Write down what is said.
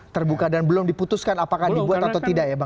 terbuka dan belum diputuskan apakah dibuat atau tidak ya bang